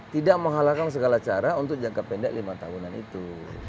tidak menghalalkan segala cara untuk jangka pendek lima tahunan itu